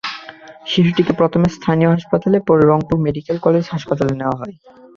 শিশুটিকে প্রথমে স্থানীয় হাসপাতাল, পরে রংপুর মেডিকেল কলেজ হাসপাতালে নেওয়া হয়।